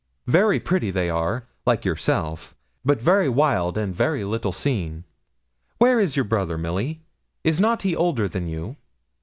Very pretty they are, like yourself; but very wild, and very little seen. Where is your brother, Milly; is not he older than you?'